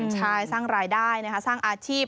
ใช่สร้างรายได้สร้างอาชีพ